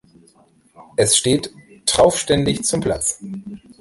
Es steht traufständig zum Platz.